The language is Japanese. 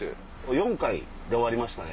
４回で終わりましたね。